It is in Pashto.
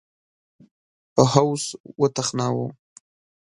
په هوس وتخناوه